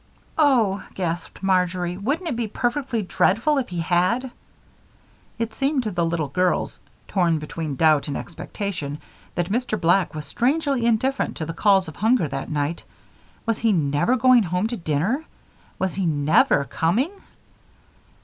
"Oh!" gasped Marjory. "Wouldn't it be perfectly dreadful if he had!" It seemed to the little girls, torn between doubt and expectation, that Mr. Black was strangely indifferent to the calls of hunger that night. Was he never going home to dinner? Was he never coming?